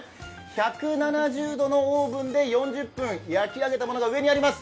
１７０度のオーブンで４０分焼き上げたものが上にあります。